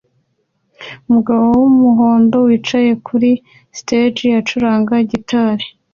Umugabo wumuhondo wicaye kuri stage acuranga gitari